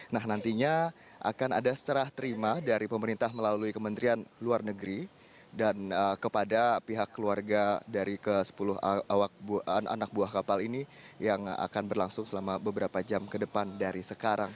nah nantinya akan ada serah terima dari pemerintah melalui kementerian luar negeri dan kepada pihak keluarga dari ke sepuluh anak buah kapal ini yang akan berlangsung selama beberapa jam ke depan dari sekarang